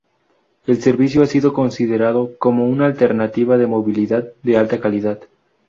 El servicio ha sido considerado como una alternativa de movilidad de alta calidad.